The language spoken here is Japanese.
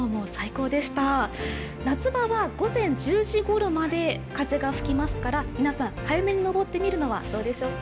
夏場は午前１０時ごろまで風が吹きますから皆さん早めに登ってみるのはどうでしょうか？